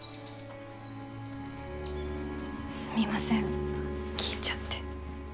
すみません聞いちゃって。